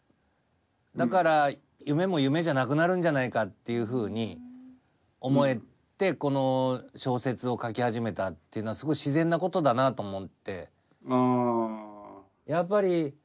だから夢も夢じゃなくなるんじゃないかっていうふうに思えてこの小説を書き始めたっていうのはすごい自然なことだなあと思って。